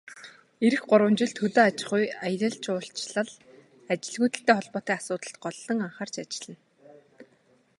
Ирэх гурван жилд хөдөө аж ахуй, аялал жуулчлал, ажилгүйдэлтэй холбоотой асуудалд голлон анхаарч ажиллана.